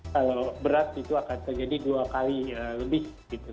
kalau berat itu akan terjadi dua kali lebih